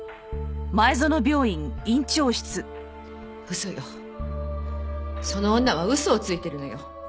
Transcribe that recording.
嘘よその女は嘘をついてるのよ。